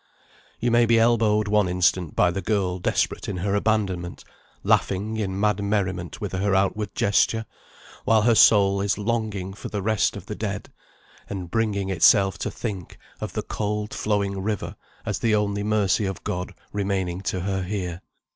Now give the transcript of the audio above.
You may be elbowed one instant by the girl desperate in her abandonment, laughing in mad merriment with her outward gesture, while her soul is longing for the rest of the dead, and bringing itself to think of the cold flowing river as the only mercy of God remaining to her here.